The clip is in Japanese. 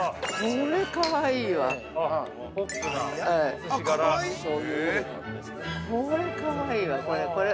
◆これ、かわいいわ、これ。